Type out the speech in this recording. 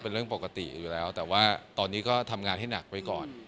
เป็นเรื่องปกติอยู่แล้วแต่ว่าตอนนี้ก็ทำงานให้หนักไว้ก่อน